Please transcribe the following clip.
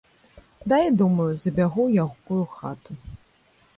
Дай, думаю, забягу ў якую хату.